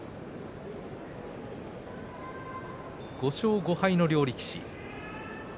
５勝５敗の両力士。